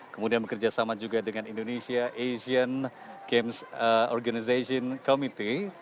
kemudian bekerjasama juga dengan indonesia asian games organization committee